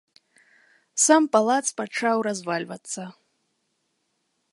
Сам палац пачаў развальвацца.